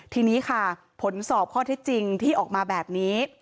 ทีนี้ค่ะผลสอบข้อเท็จจริงที่ออกมาแบบนี้